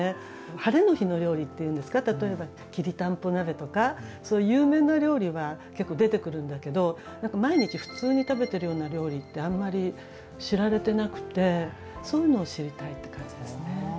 「ハレの日の料理」っていうんですか例えばきりたんぽ鍋とかそういう有名な料理は結構出てくるんだけど毎日普通に食べてるような料理ってあんまり知られてなくてそういうのを知りたいって感じですね。